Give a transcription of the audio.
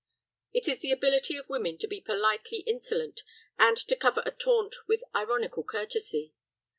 It is the ability of women to be politely insolent and to cover a taunt with ironical courtesy.